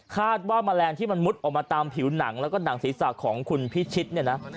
คาดว่าแมลงที่มันมุดออกมาตามผิวหนังแล้วก็หนังสีสักของคุณพิชิดนะ